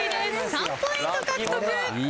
３ポイント獲得です。